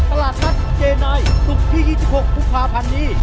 ตลาดนัดเจนัยศุกร์ที่๒๖กุมภาพันธ์นี้